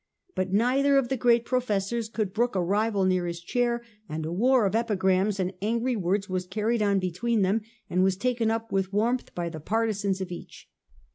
But neither of the great professors could brook a rival near his chair, and a war of epigrams and angry words was carried on between them, and was taken up with warmth by the partisans of each.